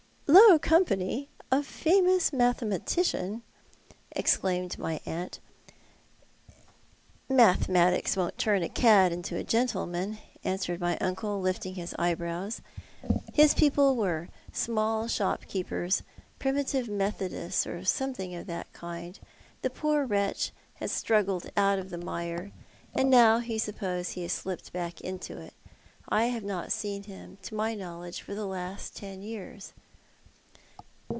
" Low company ! A fiimous mathematician !'' exclaimed my aunt. "Mathematics won't turn a cad into a gentleman," ansu ered my uncle, lifting his eyebrows. " His people were small shop keepers, Primitive Methodists, or something of that kind. The j)Oor wretch had struggled out of the mire — and now I suppose he has slipped back into it. I have not seen him — to my knowledge — for the last ten years."